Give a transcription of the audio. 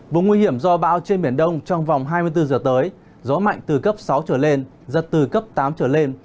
vùng nguy hiểm do bão trên biển đông trong vòng hai mươi bốn giờ tới gió mạnh từ cấp sáu trở lên giật từ cấp tám trở lên